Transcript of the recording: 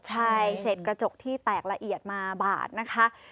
ใช่เสร็จกระจกที่แตกละเอียดมาบาดนะคะ